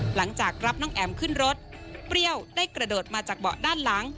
หลังจากรับน้องแอ๋มขึ้นรถเปรี้ยวได้กระโดดมาจากเบาะด้านหลัง